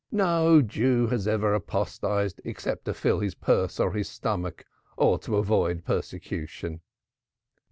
No Jew has ever apostatized except to fill his purse or his stomach or to avoid persecution.